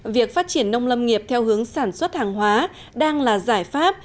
việc phát triển nông lâm nghiệp theo hướng sản xuất hàng hóa đang là giải pháp